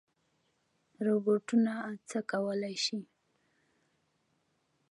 روبوټونه څه کولی شي؟